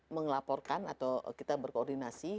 mengelaporkan atau kita berkoordinasi